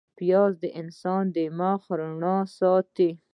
پیاز د انسان مخ روڼ ساتي